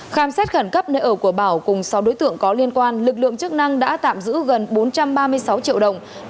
khám xét khẩn cấp nơi ở của bảo cùng sáu đối tượng có liên quan lực lượng chức năng đã tạm giữ gần bốn trăm ba mươi sáu triệu đồng